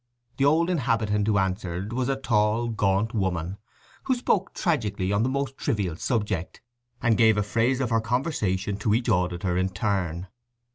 The old inhabitant who answered was a tall, gaunt woman, who spoke tragically on the most trivial subject, and gave a phrase of her conversation to each auditor in turn.